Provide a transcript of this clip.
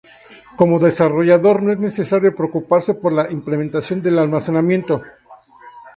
Como desarrollador no es necesario preocuparse por la implementación del almacenamiento.